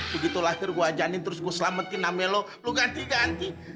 begitu lahir gua janin terus gua selamatin namanya lu lu ganti ganti